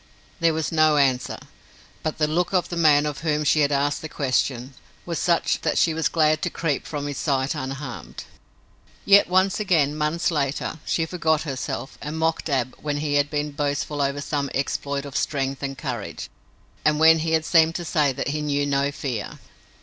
There was no answer, but the look of the man of whom she had asked the question was such that she was glad to creep from his sight unharmed. Yet once again, months later, she forgot herself and mocked Ab when he had been boastful over some exploit of strength and courage and when he had seemed to say that he knew no fear.